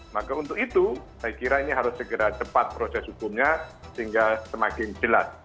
maka untuk itu saya kira ini harus segera cepat proses hukumnya sehingga semakin jelas